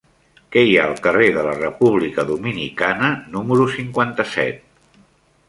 Què hi ha al carrer de la República Dominicana número cinquanta-set?